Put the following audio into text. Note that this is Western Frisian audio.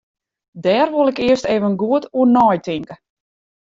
Dêr wol ik earst even goed oer neitinke.